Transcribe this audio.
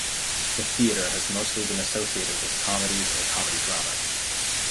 The theatre has mostly been associated with comedies or comedy-dramas.